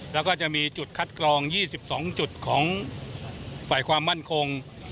แล้วก็จะมีจุดคัดกรอง๒๒จุดของฝ่ายความมั่นคง